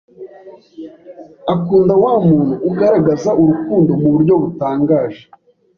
Akunda wa muntu ugaragaza urukundo mu buryo butangaje.